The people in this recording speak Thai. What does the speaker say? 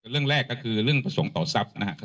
เรื่องแรกก็คือเรื่องประสงค์ต่อทรัพย์นะครับ